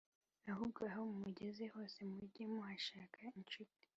ahubwo aho mugeze hose muge muhashaka inshuti